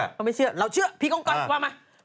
เราเชื่อผีกองกอยวางมา